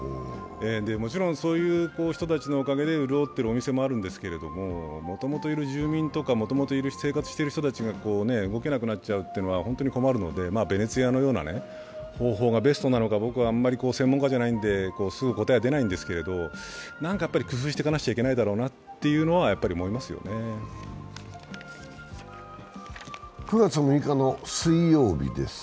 もちろんそういう人たちのおかげで潤っているお店もあるんですけど、もともといる住民とかもともと生活している人たちが動けなくなっちゃうというのは本当に困るのでベネチアのような方法が正解かどうか僕は専門家じゃないのですぐ答えは出ないんですけど、何か工夫していかなきゃいけないとは９月６日の水曜日です。